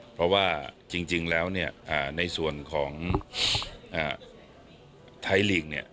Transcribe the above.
เพราะว่าจริงแล้วเนี่ยในส่วนของไทยลีกเนี่ย